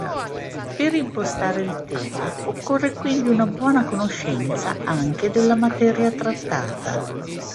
Per impostare il tema occorre quindi una buona conoscenza anche della materia trattata.